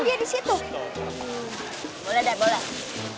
banyak amat buat apaan sih bu